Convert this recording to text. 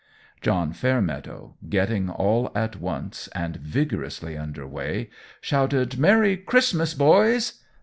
John Fairmeadow, getting all at once and vigorously under way, shouted "Merry Christmas, boys!"